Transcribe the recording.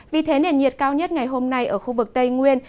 vì thế nền nhiệt cao nhất ngày hôm nay ở khu vực tây nguyên